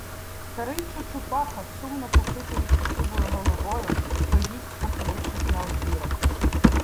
Старий Чучупака, сумно похитуючи сивою головою, стоїть, похилившись на одвірок.